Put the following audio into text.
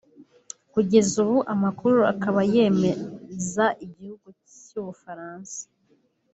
kugeza ubu amakuru akaba yemeza igihugu cy’ubufaransa